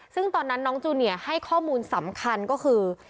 ซึ่งตอนนั้นน้องจูเนียให้ข้อมูลสำคัญก็คือ